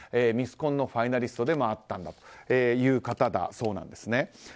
ミスコンのファイナリストでもあったんだという方だそうです。